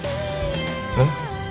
えっ？